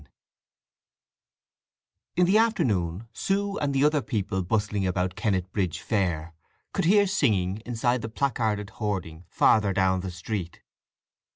VIII In the afternoon Sue and the other people bustling about Kennetbridge fair could hear singing inside the placarded hoarding farther down the street.